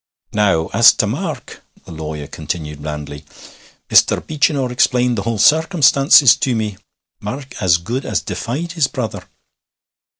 'Now, as to Mark,' the lawyer continued blandly, 'Mr. Beechinor explained the whole circumstances to me. Mark as good as defied his brother.'